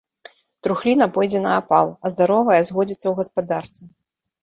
Трухліна пойдзе на апал, а здаровае згодзіцца ў гаспадарцы.